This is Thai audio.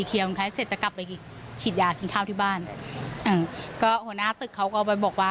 เคสนี้ใช่ไหมครับ